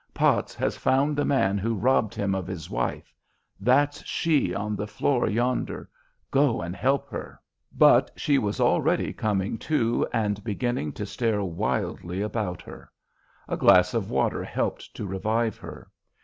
"Potts has found the man who robbed him of his wife. That's she on the floor yonder. Go and help her." But she was already coming to and beginning to stare wildly about her. A glass of water helped to revive her.